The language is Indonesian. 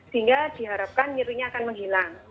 sehingga diharapkan nyerinya akan menghilang